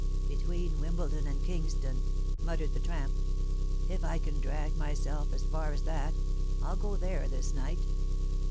"Between Wimbledon and Kingston," muttered the tramp. "If I can drag myself as far as that, I'll go there this night."